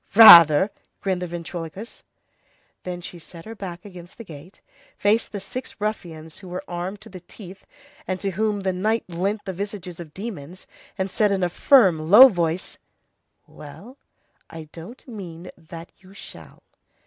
"Rather!" grinned the ventriloquist. Then she set her back against the gate, faced the six ruffians who were armed to the teeth, and to whom the night lent the visages of demons, and said in a firm, low voice:— "Well, I don't mean that you shall."